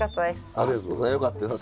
ありがとうございます。